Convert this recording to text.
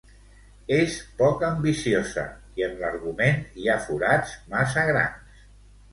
És poc ambiciosa i en l'argument hi ha forats massa grans.